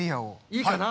いいかな？